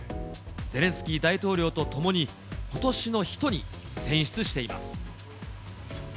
ゼレンスキー大統領とともに、今年の人に選出しています。